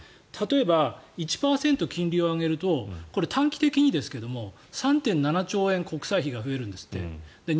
例えば、１％金利を上げると短期的にですけども３．７兆円国債費が増えるんですって。